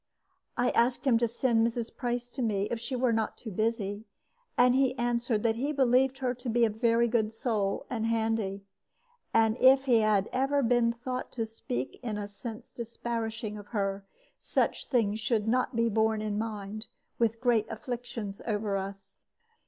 I asked him to send Mrs. Price to me, if she was not too busy; and he answered that he believed her to be a very good soul, and handy. And if he ever had been thought to speak in a sense disparishing of her, such things should not be borne in mind, with great afflictions over us.